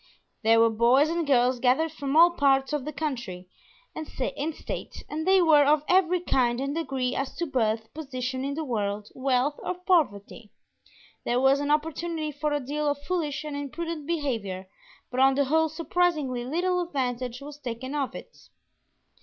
There were boys and girls gathered from all parts of the county and state, and they were of every kind and degree as to birth, position in the world, wealth or poverty. There was an opportunity for a deal of foolish and imprudent behavior, but on the whole surprisingly little advantage was taken of it.